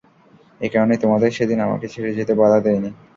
একারণেই তোমাদের সেদিন আমাকে ছেড়ে যেতে বাঁধা দেইনি।